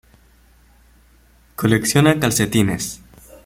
Colecciona calcetines.